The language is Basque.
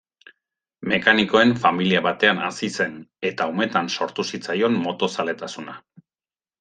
Mekanikoen familia batean hazi zen, eta umetan sortu zitzaion moto-zaletasuna.